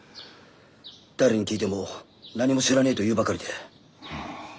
誰に聞いても何も知らねえと言うばかりで。